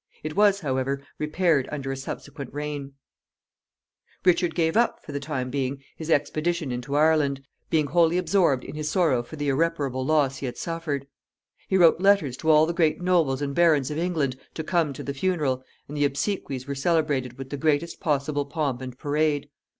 It was, however, repaired under a subsequent reign. Richard gave up, for the time being, his expedition into Ireland, being wholly absorbed in his sorrow for the irreparable loss he had suffered. He wrote letters to all the great nobles and barons of England to come to the funeral, and the obsequies were celebrated with the greatest possible pomp and parade.